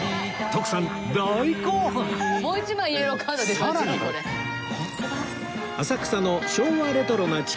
さらに浅草の昭和レトロな地下街では